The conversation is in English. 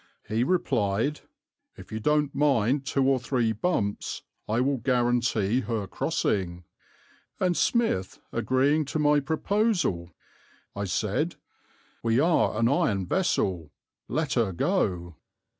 He replied, 'If you don't mind two or three bumps I will guarantee her crossing,' and Smith agreeing to my proposal, I said, 'We are an iron vessel, let her go.'